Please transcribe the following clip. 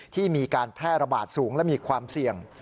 ที่มีการแพร่ระบาดสูงและมีความเสี่ยง